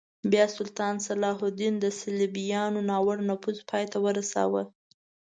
بیا سلطان صلاح الدین د صلیبیانو ناوړه نفوذ پای ته ورساوه.